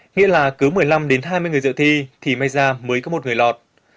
nghĩa là cứ một mươi năm đến hai mươi người dự thi thì may ra mới có một người lọt